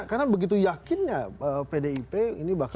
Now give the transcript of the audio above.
karena begitu yakin ya pdip ini bakal